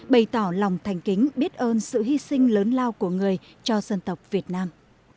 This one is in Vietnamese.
bày tỏ lòng thành kính biết ơn sự hy sinh lớn lao của người cho dân tộc việt nam